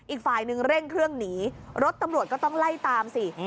อีกฝ่ายหนึ่งเร่งเครื่องหนีรถตำรวจก็ต้องไล่ตามสิ